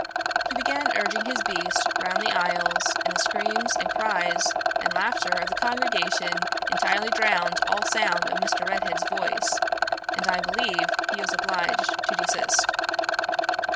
He began urging his beast round the aisles, and the screams, and cries, and laughter of the congregation entirely drowned all sound of Mr. Redhead's voice, and, I believe, he was obliged to desist.